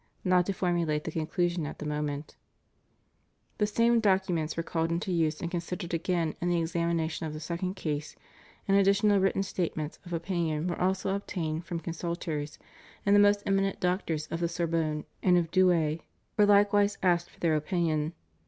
not to formulate the conclusion at the moment]. The same documents were called into use and considered again in the examination of the second case, and additional wTitten statements of opinion were also obtained from consultors, and the most eminent doctors of the Sorbonne and of Douai were likewise asked for their opinion.